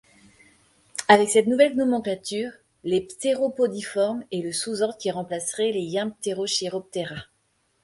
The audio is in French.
Avec cette nouvelle nomenclature, les Ptéropodiformes est le sous-ordre qui remplacerait les Yinpterochiroptera.